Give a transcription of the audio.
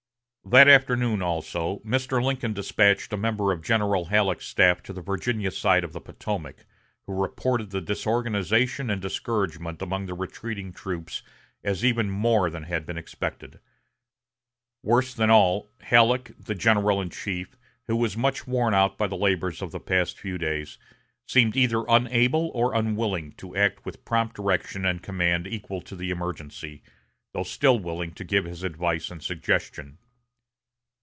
That afternoon, also, Mr. Lincoln despatched a member of General Halleck's staff to the Virginia side of the Potomac, who reported the disorganization and discouragement among the retreating troops as even more than had been expected. Worse than all, Halleck, the general in chief, who was much worn out by the labors of the past few days, seemed either unable or unwilling to act with prompt direction and command equal to the emergency, though still willing to give his advice and suggestion.